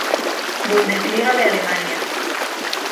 Bundesliga de Alemania.